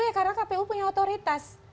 ya karena kpu punya otoritas